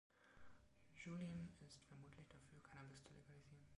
Julian ist vermutlich dafür, Cannabis zu legalisieren.